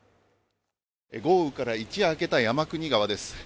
豪雨から一夜明けた山国川です。